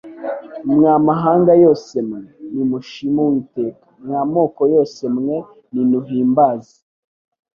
«Mwa mahanga yose, mwe Nimushime Uwiteka, Mwa moko yose mwe, Ninnnnuhimbaze,